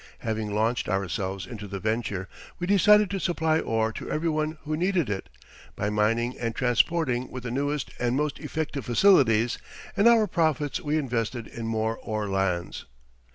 Having launched ourselves into the venture, we decided to supply ore to every one who needed it, by mining and transporting with the newest and most effective facilities, and our profits we invested in more ore lands.